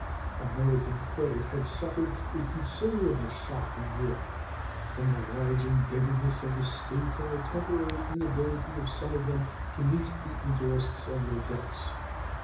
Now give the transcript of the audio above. American credit has suffered a considerable shock in Europe from the large indebtedness of the States and the temporary inability of some of them to meet the interest on their debts.